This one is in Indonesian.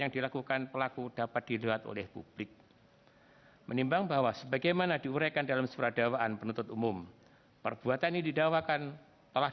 di kudama keseluruhan masyarakat